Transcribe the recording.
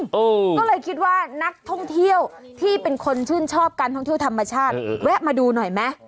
ก็เลยคิดว่านักท่องเที่ยวที่เป็นคนชื่นชอบการท่องเที่ยวธรรมชาติแวะมาดูหน่อยไหม